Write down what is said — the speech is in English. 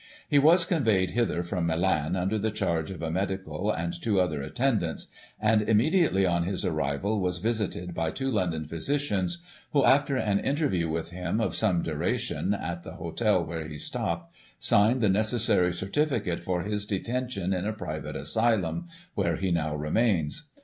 He was conveyed hither from Milan under the charge of a medical and two other attendants ; and immediately on his arrival, was visited by two London physicians, who, after an interview with him of some duration, at the hotel where he stopped, signed the necessary certificate for his detention in a private asylum, where he now remains.